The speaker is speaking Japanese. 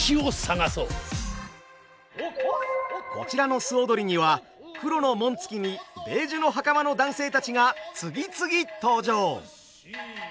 こちらの素踊りには黒の紋付きにベージュの袴の男性たちが次々登場。